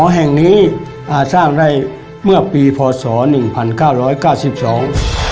แห่งนี้อ่าสร้างได้เมื่อปีพศหนึ่งพันเก้าร้อยเก้าสิบสอง